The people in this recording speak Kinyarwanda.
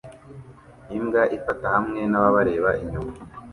Imbwa ifata hamwe nababareba inyuma